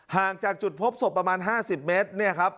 ห่างจากจุดพบศพประมาณ๕๐เมตรเนี่ยครับ